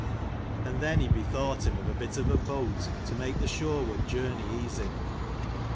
And then he bethought him of a bit of a boat, to make the shoreward journey easy.